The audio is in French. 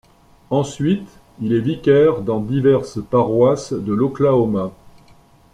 Ensuite, il est vicaire dans diverses paroisses de l'Oklahoma.